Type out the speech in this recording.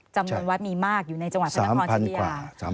จำนวนวัดมีมากอยู่ในจังหวัดพระนครศิริยา